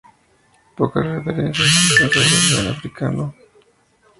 Pocas referencias existen sobre León el Africano.